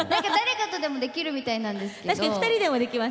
誰かとでもできるみたいなんですけど。